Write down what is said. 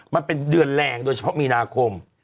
มันเป็นเดือนแรงโดยเฉพาะมีนาคม